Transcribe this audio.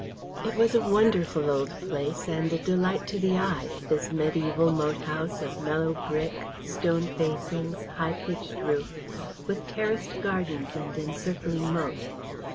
It was a wonderful old place and a delight to the eye, this mediæval moat house of mellow brick, stone facings, high pitched roof, with terraced gardens and encircling moat.